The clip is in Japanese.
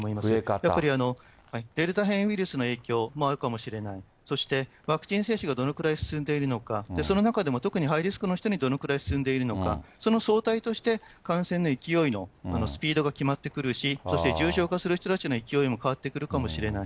やっぱりデルタ変異ウイルスの影響もあるかもしれない、そしてワクチン接種がどのくらい進んでいるのか、その中でも特にハイリスクの人にどのくらい進んでいるのか、その相対として、感染の勢いのスピードが決まってくるし、そして重症化する人たちの勢いも変わってくるかもしれない。